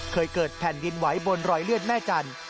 เคยเกิดแผ่นดินไหวบนรอยเลือดแม่จันทร์